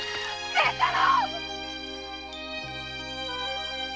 清太郎！